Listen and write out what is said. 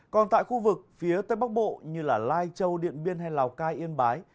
còn tại khu vực phía tây bắc bộ như lai châu điện biên hay lào cai yên bái